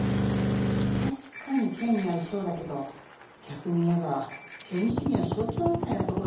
確かに権威ある賞だけど逆に言えば権威主義の象徴みたいなところがあるんだよなあ。